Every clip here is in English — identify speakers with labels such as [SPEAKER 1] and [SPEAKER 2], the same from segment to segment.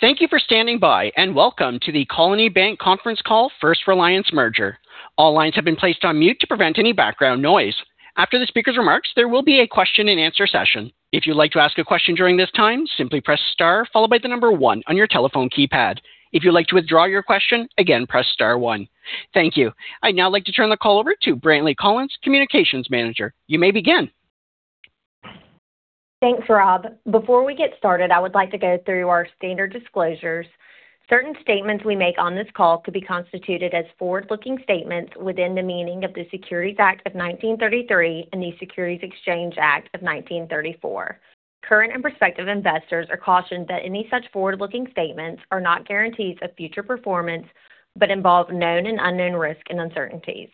[SPEAKER 1] Thank you for standing by, welcome to the Colony Bank conference call First Reliance merger. All lines have been placed on mute to prevent any background noise. After the speaker's remarks, there will be a question and answer session. If you'd like to ask a question during this time, simply press star followed by the number one on your telephone keypad. If you'd like to withdraw your question, again, press star one. Thank you. I'd now like to turn the call over to Brantley Collins, Communications Manager. You may begin.
[SPEAKER 2] Thanks, Rob. Before we get started, I would like to go through our standard disclosures. Certain statements we make on this call could be constituted as forward-looking statements within the meaning of the Securities Act of 1933 and the Securities Exchange Act of 1934. Current and prospective investors are cautioned that any such forward-looking statements are not guarantees of future performance but involve known and unknown risks and uncertainties.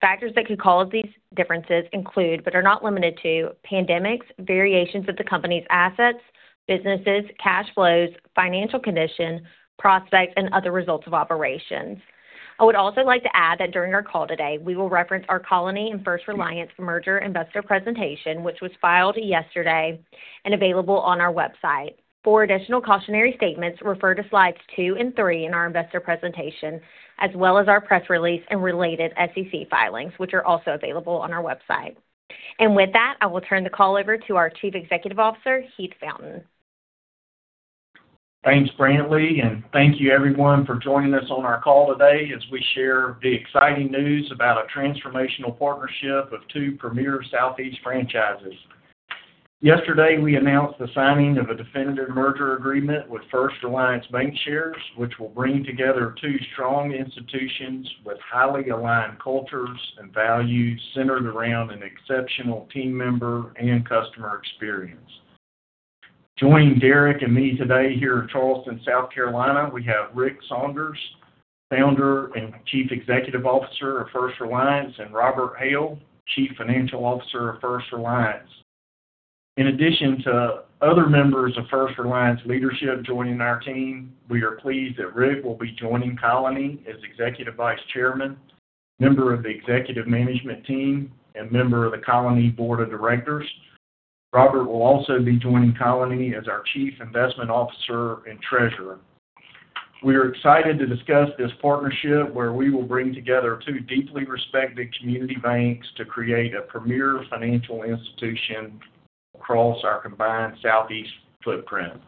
[SPEAKER 2] Factors that could cause these differences include, but are not limited to, pandemics, variations of the company's assets, businesses, cash flows, financial condition, prospects, and other results of operations. I would also like to add that during our call today, we will reference our Colony and First Reliance Merger Investor Presentation, which was filed yesterday and available on our website. For additional cautionary statements, refer to slides two and three in our investor presentation, as well as our press release and related SEC filings, which are also available on our website. With that, I will turn the call over to our Chief Executive Officer, Heath Fountain.
[SPEAKER 3] Thanks, Brantley, thank you everyone for joining us on our call today as we share the exciting news about a transformational partnership of two premier Southeast franchises. Yesterday, we announced the signing of a definitive merger agreement with First Reliance Bancshares, which will bring together two strong institutions with highly aligned cultures and values centered around an exceptional team member and customer experience. Joining Derek and me today here in Charleston, South Carolina, we have Rick Saunders, Founder and Chief Executive Officer of First Reliance, and Robert Haile, Chief Financial Officer of First Reliance. In addition to other members of First Reliance leadership joining our team, we are pleased that Rick will be joining Colony as Executive Vice Chairman, member of the executive management team, and member of the Colony Board of Directors. Robert will also be joining Colony as our Chief Investment Officer and Treasurer. We are excited to discuss this partnership where we will bring together two deeply respected community banks to create a premier financial institution across our combined Southeast footprint.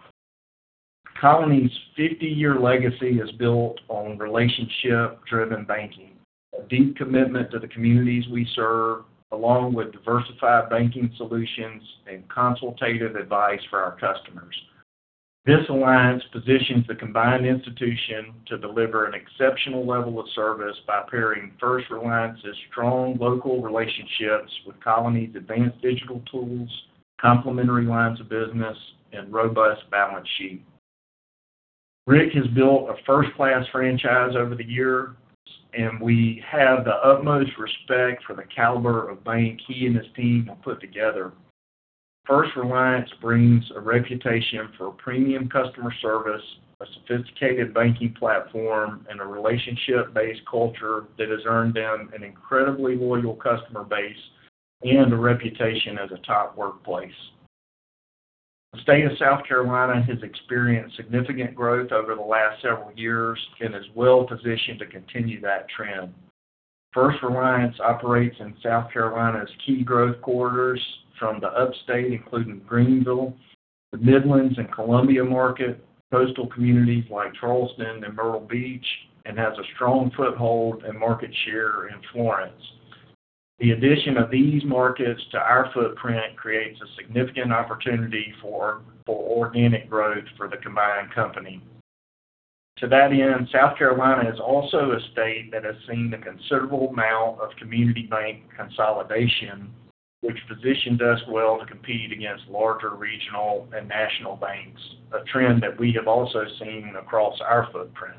[SPEAKER 3] Colony's 50-year legacy is built on relationship-driven banking, a deep commitment to the communities we serve, along with diversified banking solutions and consultative advice for our customers. This alliance positions the combined institution to deliver an exceptional level of service by pairing First Reliance's strong local relationships with Colony's advanced digital tools, complementary lines of business, and robust balance sheet. Rick has built a first-class franchise over the years, and we have the utmost respect for the caliber of bank he and his team have put together. First Reliance brings a reputation for premium customer service, a sophisticated banking platform, and a relationship-based culture that has earned them an incredibly loyal customer base and a reputation as a top workplace. The state of South Carolina has experienced significant growth over the last several years and is well positioned to continue that trend. First Reliance operates in South Carolina's key growth corridors from the upstate, including Greenville, the Midlands and Columbia market, coastal communities like Charleston and Myrtle Beach, and has a strong foothold and market share in Florence. The addition of these markets to our footprint creates a significant opportunity for organic growth for the combined company. To that end, South Carolina is also a state that has seen a considerable amount of community bank consolidation, which positions us well to compete against larger regional and national banks, a trend that we have also seen across our footprint.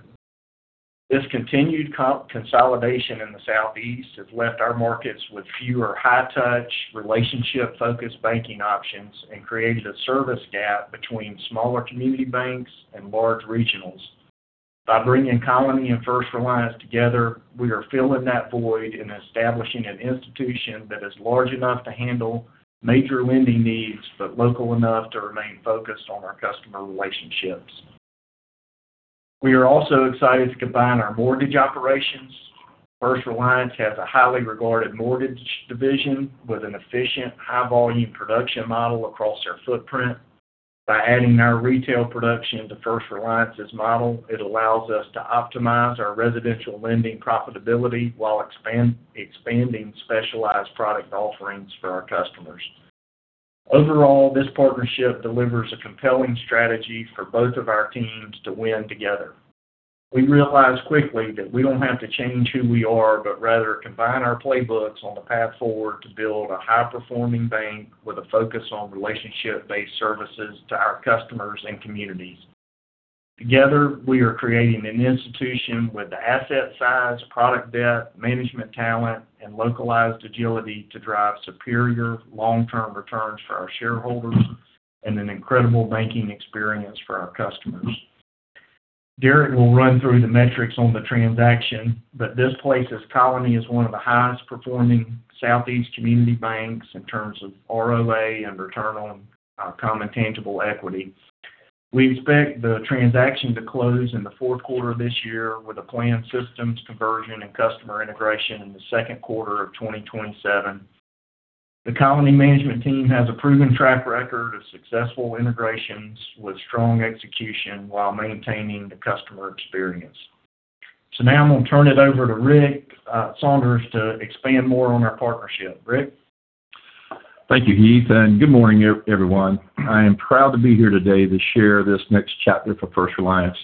[SPEAKER 3] This continued consolidation in the Southeast has left our markets with fewer high touch, relationship focused banking options and created a service gap between smaller community banks and large regionals. By bringing Colony and First Reliance together, we are filling that void and establishing an institution that is large enough to handle major lending needs, but local enough to remain focused on our customer relationships. We are also excited to combine our mortgage operations. First Reliance has a highly regarded mortgage division with an efficient, high volume production model across their footprint. By adding our retail production to First Reliance's model, it allows us to optimize our residential lending profitability while expanding specialized product offerings for our customers. Overall, this partnership delivers a compelling strategy for both of our teams to win together. We realized quickly that we don't have to change who we are, but rather combine our playbooks on the path forward to build a high-performing bank with a focus on relationship-based services to our customers and communities. Together, we are creating an institution with the asset size, product depth, management talent, and localized agility to drive superior long-term returns for our shareholders and an incredible banking experience for our customers. Derek will run through the metrics on the transaction, but this places Colony as one of the highest performing Southeast community banks in terms of ROA and return on common tangible equity. We expect the transaction to close in the fourth quarter of this year with a planned systems conversion and customer integration in the second quarter of 2027. The Colony management team has a proven track record of successful integrations with strong execution while maintaining the customer experience. Now I'm going to turn it over to Rick Saunders to expand more on our partnership. Rick?
[SPEAKER 4] Thank you, Heath, and good morning, everyone. I am proud to be here today to share this next chapter for First Reliance.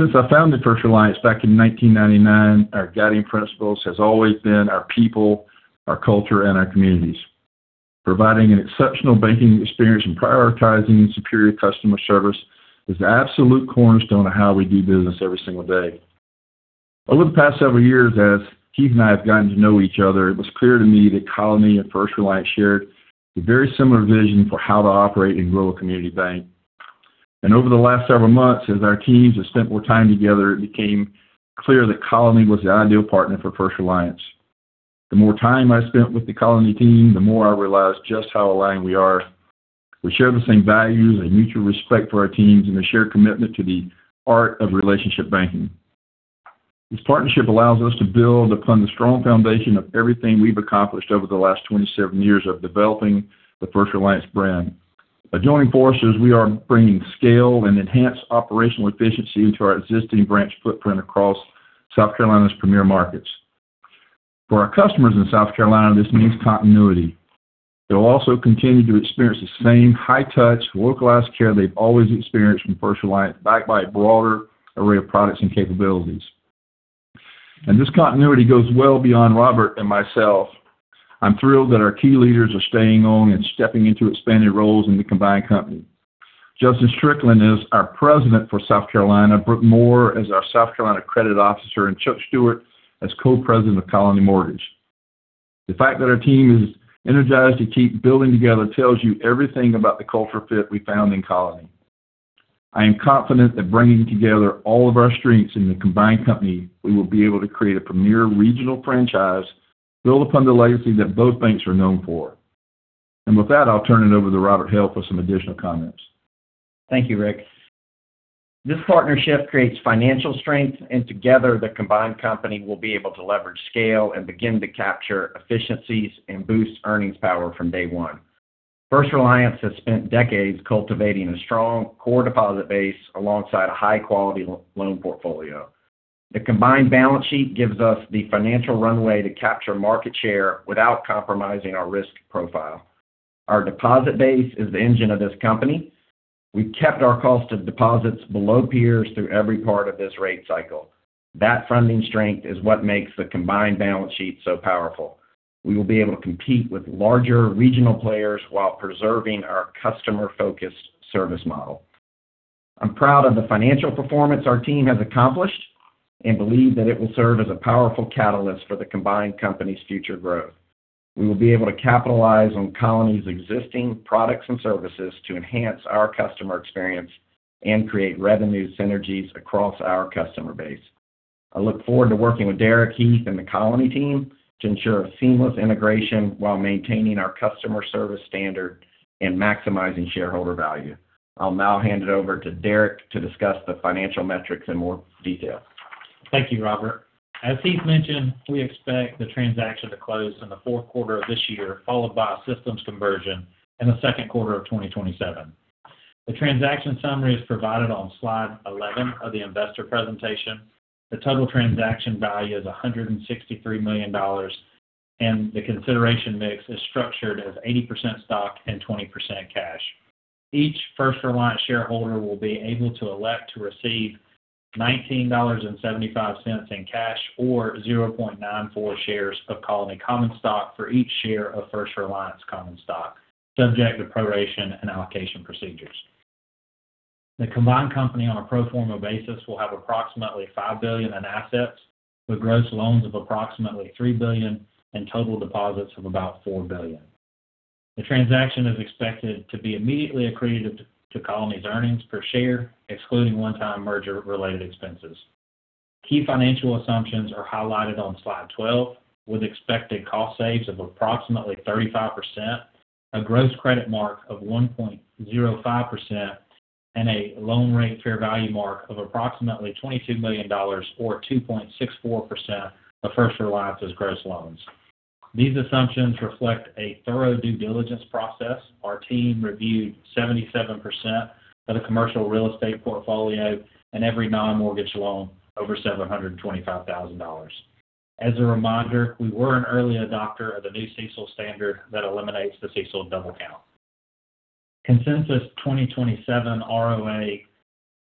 [SPEAKER 4] Since I founded First Reliance back in 1999, our guiding principle has always been our people, our culture, and our communities. Providing an exceptional banking experience and prioritizing superior customer service is the absolute cornerstone of how we do business every single day. Over the past several years, as Heath and I have gotten to know each other, it was clear to me that Colony and First Reliance shared a very similar vision for how to operate and grow a community bank. Over the last several months, as our teams have spent more time together, it became clear that Colony was the ideal partner for First Reliance. The more time I spent with the Colony team, the more I realized just how aligned we are. We share the same values, a mutual respect for our teams, and a shared commitment to the art of relationship banking. This partnership allows us to build upon the strong foundation of everything we've accomplished over the last 27 years of developing the First Reliance brand. By joining forces, we are bringing scale and enhanced operational efficiency to our existing branch footprint across South Carolina's premier markets. For our customers in South Carolina, this means continuity. They will also continue to experience the same high-touch, localized care they've always experienced from First Reliance, backed by a broader array of products and capabilities. This continuity goes well beyond Robert and myself. I'm thrilled that our key leaders are staying on and stepping into expanded roles in the combined company. Justin Strickland is our president for South Carolina, Brook Moore is our South Carolina credit officer, and Chuck Stuart as co-president of Colony Mortgage. The fact that our team is energized to keep building together tells you everything about the culture fit we found in Colony. I am confident that bringing together all of our strengths in the combined company, we will be able to create a premier regional franchise built upon the legacy that both banks are known for. With that, I'll turn it over to Robert Haile for some additional comments.
[SPEAKER 5] Thank you, Rick. This partnership creates financial strength, and together, the combined company will be able to leverage scale and begin to capture efficiencies and boost earnings power from day one. First Reliance has spent decades cultivating a strong core deposit base alongside a high-quality loan portfolio. The combined balance sheet gives us the financial runway to capture market share without compromising our risk profile. Our deposit base is the engine of this company. We've kept our cost of deposits below peers through every part of this rate cycle. That funding strength is what makes the combined balance sheet so powerful. We will be able to compete with larger regional players while preserving our customer-focused service model. I'm proud of the financial performance our team has accomplished and believe that it will serve as a powerful catalyst for the combined company's future growth. We will be able to capitalize on Colony's existing products and services to enhance our customer experience and create revenue synergies across our customer base. I look forward to working with Derek, Heath, and the Colony team to ensure a seamless integration while maintaining our customer service standard and maximizing shareholder value. I'll now hand it over to Derek to discuss the financial metrics in more detail.
[SPEAKER 6] Thank you, Robert. As Heath mentioned, we expect the transaction to close in the fourth quarter of this year, followed by a systems conversion in the second quarter of 2027. The transaction summary is provided on slide 11 of the investor presentation. The total transaction value is $163 million, and the consideration mix is structured as 80% stock and 20% cash. Each First Reliance shareholder will be able to elect to receive $19.75 in cash or 0.94 shares of Colony common stock for each share of First Reliance common stock, subject to proration and allocation procedures. The combined company, on a pro forma basis, will have approximately $5 billion in assets, with gross loans of approximately $3 billion and total deposits of about $4 billion. The transaction is expected to be immediately accretive to Colony's earnings per share, excluding one-time merger-related expenses. Key financial assumptions are highlighted on slide 12, with expected cost saves of approximately 35%, a gross credit mark of 1.05%, and a loan rate fair value mark of approximately $22 million, or 2.64% of First Reliance's gross loans. These assumptions reflect a thorough due diligence process. Our team reviewed 77% of the commercial real estate portfolio and every non-mortgage loan over $725,000. As a reminder, we were an early adopter of the new CECL standard that eliminates the CECL double count. Consensus 2027 ROA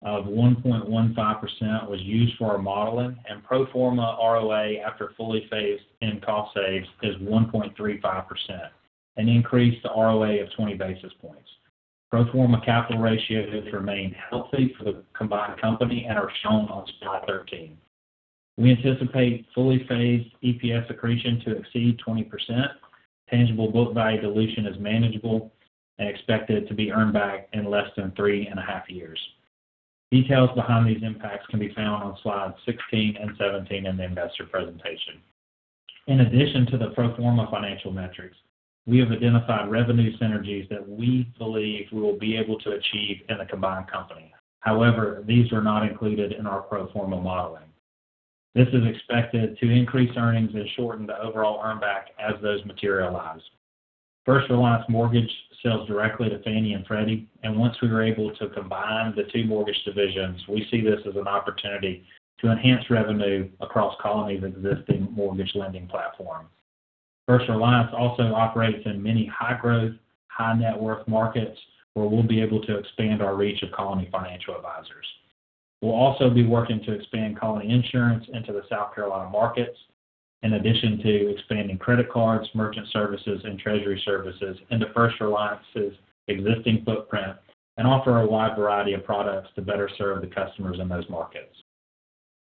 [SPEAKER 6] of 1.15% was used for our modeling, and pro forma ROA after fully phased-in cost saves is 1.35%, an increase to ROA of 20 basis points. Pro forma capital ratios remain healthy for the combined company and are shown on slide 13 we anticipate fully phased EPS accretion to exceed 20%. Tangible book value dilution is manageable and expected to be earned back in less than three and a half years. Details behind these impacts can be found on slides 16 and 17 in the investor presentation. In addition to the pro forma financial metrics, we have identified revenue synergies that we believe we will be able to achieve in the combined company. These are not included in our pro forma modeling this is expected to increase earnings and shorten the overall earn back as those materialize. First Reliance Mortgage sells directly to Fannie and Freddie, and once we are able to combine the two mortgage divisions, we see this as an opportunity to enhance revenue across Colony's existing mortgage lending platform. First Reliance also operates in many high-growth, high-net-worth markets where we'll be able to expand our reach of Colony financial advisors. We'll also be working to expand Colony Insurance into the South Carolina markets, in addition to expanding credit cards, merchant services, and treasury services into First Reliance's existing footprint and offer a wide variety of products to better serve the customers in those markets.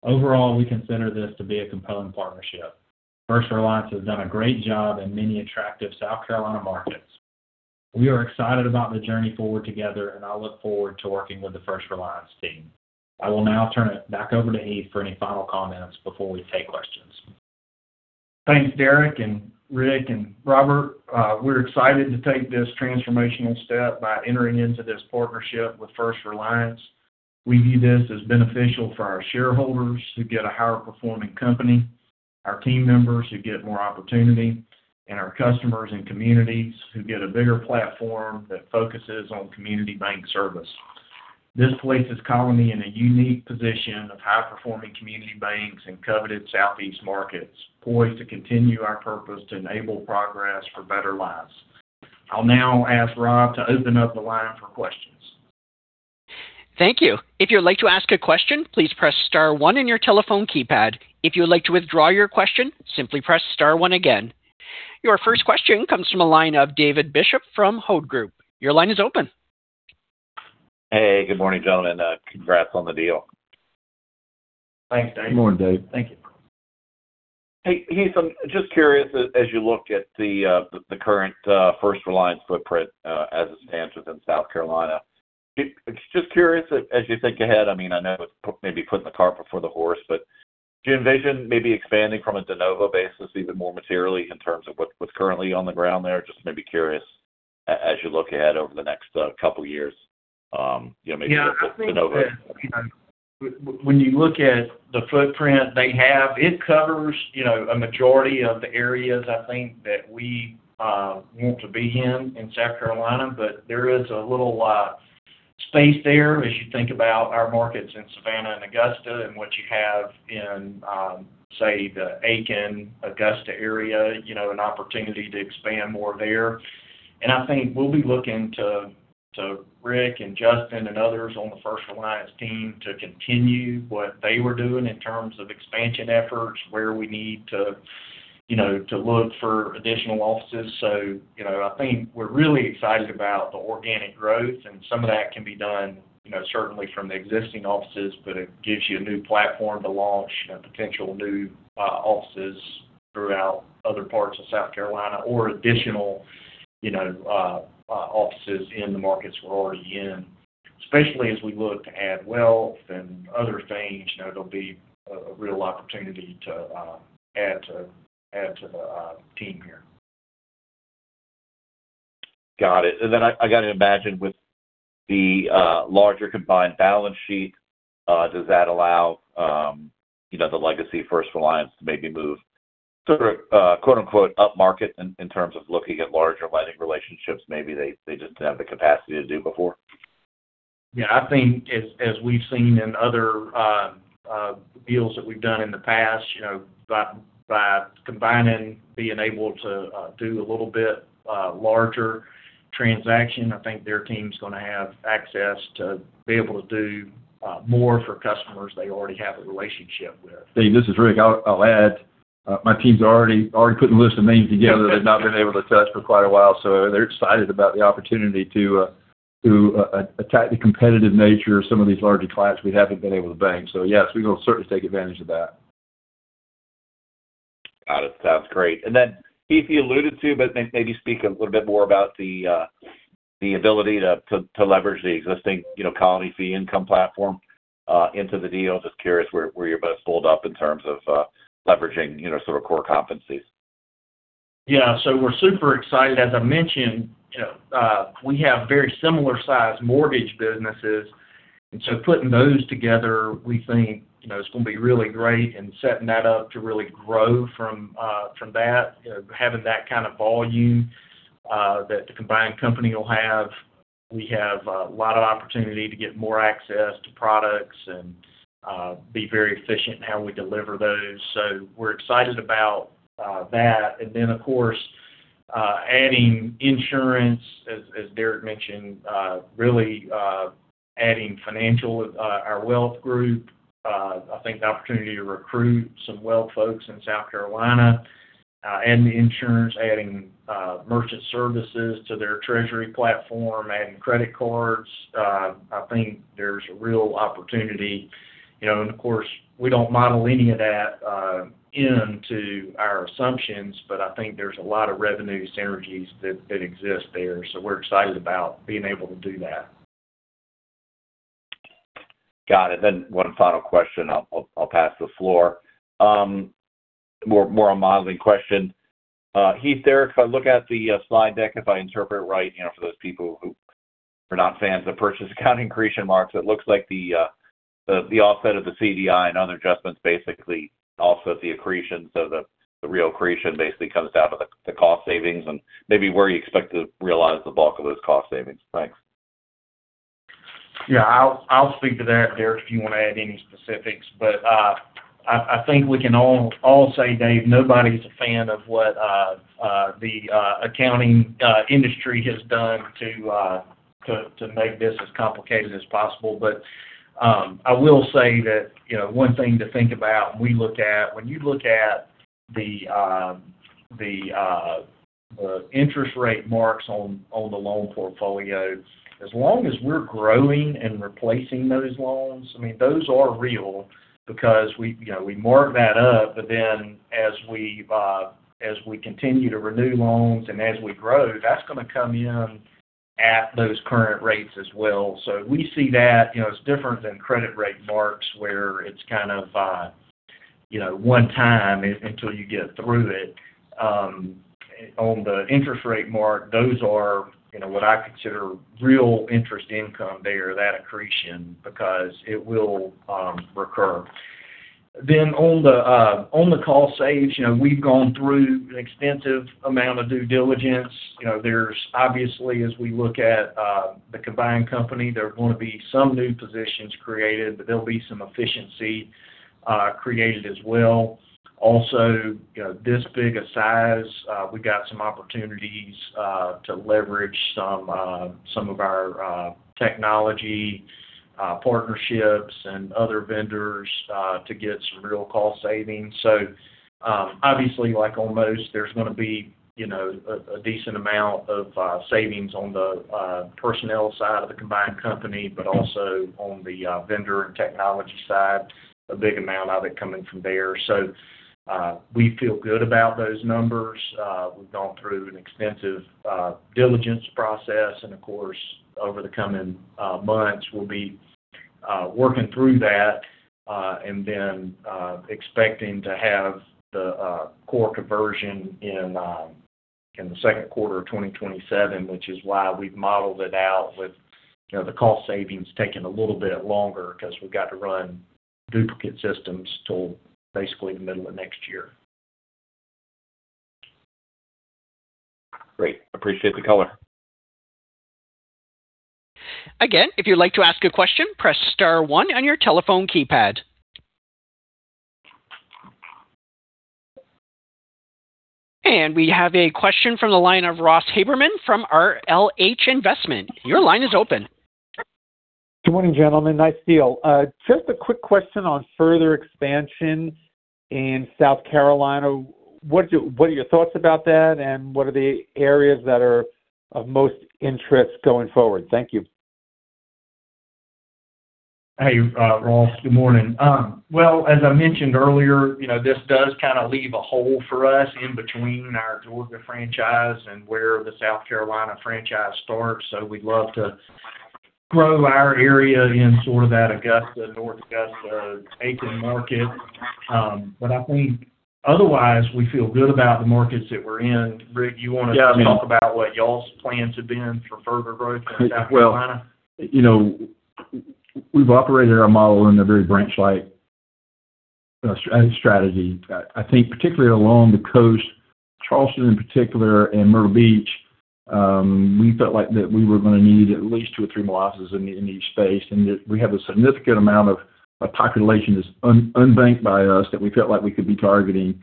[SPEAKER 6] Overall, we consider this to be a compelling partnership. First Reliance has done a great job in many attractive South Carolina markets. We are excited about the journey forward together, and I look forward to working with the First Reliance team. I will now turn it back over to Heath for any final comments before we take questions.
[SPEAKER 3] Thanks, Derek and Rick and Robert. We're excited to take this transformational step by entering into this partnership with First Reliance. We view this as beneficial for our shareholders, who get a higher performing company, our team members, who get more opportunity, and our customers and communities who get a bigger platform that focuses on community bank service. This places Colony in a unique position of high-performing community banks in coveted Southeast markets, poised to continue our purpose to enable progress for better lives. I'll now ask Rob to open up the line for questions.
[SPEAKER 1] Thank you. If you'd like to ask a question, please press star one on your telephone keypad. If you would like to withdraw your question, simply press star one again. Your first question comes from the line of David Bishop from Hovde Group. Your line is open.
[SPEAKER 7] Hey, good morning, gentlemen. Congrats on the deal.
[SPEAKER 3] Thanks, David.
[SPEAKER 4] Good morning, Dave.
[SPEAKER 7] Thank you. Hey, Heath, I'm just curious, as you look at the current First Reliance footprint as it stands within South Carolina, just curious as you think ahead, I know it's maybe putting the cart before the horse, but do you envision maybe expanding from a de novo basis even more materially in terms of what's currently on the ground there? Just maybe curious as you look ahead over the next couple of years.
[SPEAKER 3] Yeah, I think that.
[SPEAKER 7] De novo expansion.
[SPEAKER 3] When you look at the footprint they have, it covers a majority of the areas, I think, that we want to be in in South Carolina. There is a little space there as you think about our markets in Savannah and Augusta and what you have in, say, the Aiken, Augusta area, an opportunity to expand more there. I think we'll be looking to Rick and Justin and others on the First Reliance team to continue what they were doing in terms of expansion efforts where we need to look for additional offices. I think we're really excited about the organic growth, and some of that can be done certainly from the existing offices, but it gives you a new platform to launch potential new offices throughout other parts of South Carolina or additional offices in the markets we're already in, especially as we look to add wealth and other things. There'll be a real opportunity to add to the team here.
[SPEAKER 7] Got it. I got to imagine with the larger combined balance sheet, does that allow the legacy First Reliance to maybe move sort of quote unquote upmarket in terms of looking at larger lending relationships maybe they didn't have the capacity to do before?
[SPEAKER 3] I think as we've seen in other deals that we've done in the past, by combining being able to do a little bit larger transaction, I think their team's going to have access to be able to do more for customers they already have a relationship with.
[SPEAKER 4] David, this is Rick. I'll add my team's already putting a list of names together. They've not been able to touch for quite a while. They're excited about the opportunity to attack the competitive nature of some of these larger clients we haven't been able to bank. Yes, we're going to certainly take advantage of that.
[SPEAKER 7] Got it. Sounds great. Heath, you alluded to, but maybe speak a little bit more about the ability to leverage the existing Colony fee income platform into the deal. Just curious where you're both pulled up in terms of leveraging sort of core competencies.
[SPEAKER 3] Yeah. We're super excited. As I mentioned, we have very similar sized mortgage businesses, putting those together, we think it's going to be really great and setting that up to really grow from that, having that kind of volume that the combined company will have. We have a lot of opportunity to get more access to products and be very efficient in how we deliver those. We're excited about that. Of course, adding insurance, as Derek mentioned, really adding financial, our wealth group, I think the opportunity to recruit some wealth folks in South Carolina. Adding insurance, adding merchant services to their treasury platform, adding credit cards. I think there's a real opportunity. Of course, we don't model any of that into our assumptions, I think there's a lot of revenue synergies that exist there, we're excited about being able to do that.
[SPEAKER 7] Got it. One final question, I'll pass the floor. More a modeling question. Heath, Derek, if I look at the slide deck, if I interpret it right, for those people who are not fans of purchase accounting accretion marks, it looks like the offset of the CDI and other adjustments basically offset the accretion, the real accretion basically comes down to the cost savings and maybe where you expect to realize the bulk of those cost savings. Thanks.
[SPEAKER 3] Yeah, I'll speak to that, Derek, if you want to add any specifics. I think we can all say, David, nobody's a fan of what the accounting industry has done to make this as complicated as possible. I will say that one thing to think about when you look at the interest rate marks on the loan portfolio, as long as we're growing and replacing those loans, those are real because we mark that up, then as we continue to renew loans and as we grow, that's going to come in at those current rates as well. We see that, it's different than credit rate marks where it's kind of one time until you get through it. On the interest rate mark, those are what I consider real interest income there, that accretion, because it will recur. On the cost savings, we've gone through an extensive amount of due diligence. There's obviously, as we look at the combined company, there are going to be some new positions created, there'll be some efficiency created as well. Also, this big a size, we got some opportunities to leverage some of our technology partnerships and other vendors to get some real cost savings. Obviously, like almost, there's going to be a decent amount of savings on the personnel side of the combined company, also on the vendor and technology side, a big amount of it coming from there. We feel good about those numbers. We've gone through an extensive diligence process, and of course, over the coming months, we'll be working through that. Expecting to have the core conversion in the second quarter of 2027, which is why we've modeled it out with the cost savings taking a little bit longer because we've got to run duplicate systems till basically the middle of next year.
[SPEAKER 7] Great. Appreciate the color.
[SPEAKER 1] If you'd like to ask a question, press star one on your telephone keypad. We have a question from the line of Ross Haberman from RLH Investment. Your line is open.
[SPEAKER 8] Good morning, gentlemen. Nice deal. Just a quick question on further expansion in South Carolina. What are your thoughts about that, what are the areas that are of most interest going forward? Thank you.
[SPEAKER 3] Hey, Ross. Good morning. As I mentioned earlier, this does kind of leave a hole for us in between our Georgia franchise and where the South Carolina franchise starts. We'd love to grow our area in sort of that Augusta, North Augusta, Aiken market. I think otherwise, we feel good about the markets that we're in. Rick, you want to talk about what y'all's plans have been for further growth in South Carolina?
[SPEAKER 4] We've operated our model in a very branch-like strategy. I think particularly along the coast, Charleston in particular, Myrtle Beach, we felt like that we were going to need at least 2 or 3 mi in each space, we have a significant amount of population that's unbanked by us that we felt like we could be targeting.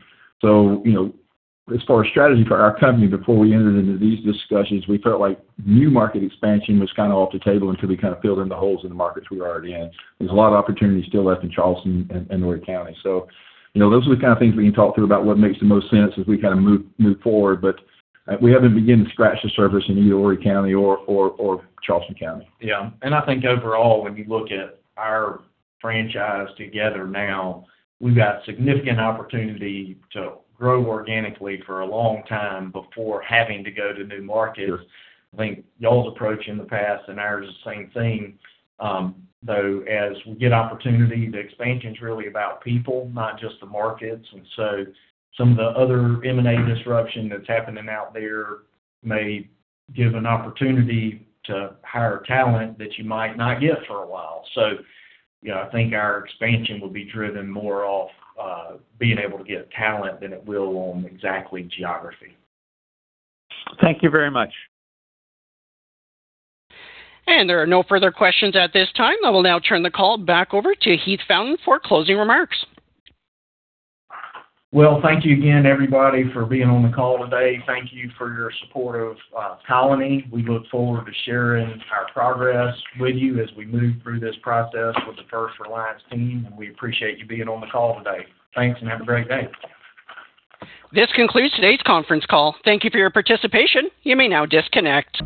[SPEAKER 4] As far as strategy for our company, before we entered into these discussions, we felt like new market expansion was kind of off the table until we kind of filled in the holes in the markets we were already in. There's a lot of opportunity still left in Charleston and Horry County. Those are the kind of things we can talk through about what makes the most sense as we move forward. We haven't begun to scratch the surface in either Horry County or Charleston County.
[SPEAKER 3] Yeah. I think overall, when you look at our franchise together now, we've got significant opportunity to grow organically for a long time before having to go to new markets. I think y'all's approach in the past and ours is the same thing. Though as we get opportunity, the expansion's really about people, not just the markets. Some of the other M&A disruption that's happening out there may give an opportunity to hire talent that you might not get for a while. I think our expansion will be driven more off being able to get talent than it will on exactly geography.
[SPEAKER 8] Thank you very much.
[SPEAKER 1] There are no further questions at this time. I will now turn the call back over to Heath Fountain for closing remarks.
[SPEAKER 3] Well, thank you again, everybody, for being on the call today. Thank you for your support of Colony. We look forward to sharing our progress with you as we move through this process with the First Reliance team, and we appreciate you being on the call today. Thanks, and have a great day.
[SPEAKER 1] This concludes today's conference call. Thank you for your participation. You may now disconnect.